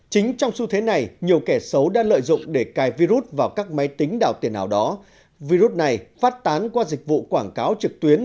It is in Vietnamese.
chính trong xu thế này nhiều kẻ xấu đã lợi dụng để cài virus vào các máy tính đào tiền nào đó virus này phát tán qua dịch vụ quảng cáo trực tuyến